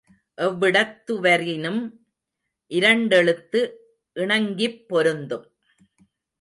எவ்விடத்துவரினும், இரண்டெழுத்து இணங்கிப் பொருந்தும்.